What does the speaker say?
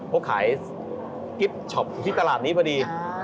เขาขายกิฟต์ช็อปที่ตลาดนี้พอดี